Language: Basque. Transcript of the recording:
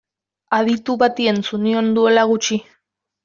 Aditu bati entzun nion duela gutxi.